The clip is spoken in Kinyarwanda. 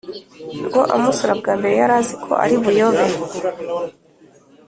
Ngo amusura bwambere yaraziko aribuyobe